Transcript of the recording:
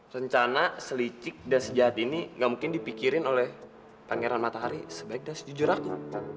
rencana selicik dan sejahat ini gak mungkin dipikirin oleh pangeran matahari sebaik dan sejujur aku